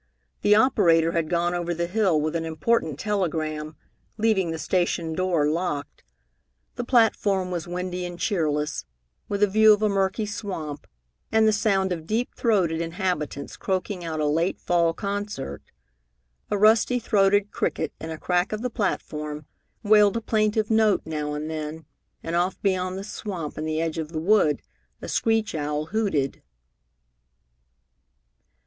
The operator had gone over the hill with an important telegram, leaving the station door locked. The platform was windy and cheerless, with a view of a murky swamp, and the sound of deep throated inhabitants croaking out a late fall concert. A rusty throated cricket in a crack of the platform wailed a plaintive note now and then, and off beyond the swamp, in the edge of the wood, a screech owl hooted.